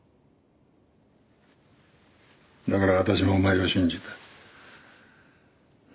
だから私もお前を信じた。